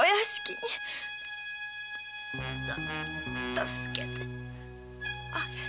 助けてあげて。